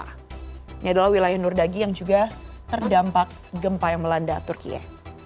ini adalah wilayah nurdagi yang juga terdampak gempa yang melanda turkiye